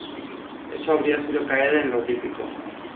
Eso habría sido caer en lo típico.